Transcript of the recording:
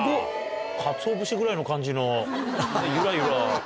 かつお節ぐらいの感じのゆらゆら。